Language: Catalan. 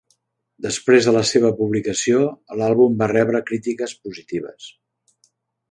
Després de la seva publicació, l'àlbum va rebre crítiques positives.